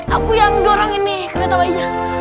aku yang dorangin nih kereta bayinya